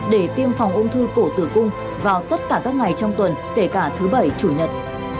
để tiêm phòng ung thư cổ tử cung vào tất cả các ngày trong tuần kể cả thứ bảy chủ nhật